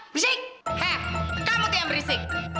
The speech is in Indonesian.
berisik hea kamu tuh yang berisik